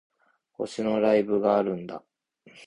推しのライブがあるんだ